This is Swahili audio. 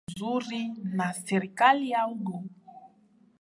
kutengeneza uhusiano nzuri na serikali ya huko